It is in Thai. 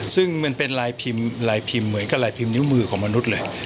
ซึ่งเป็นลายพิมพ์เหมือนกับลายพิมพ์นิ้วมือของมนุษย์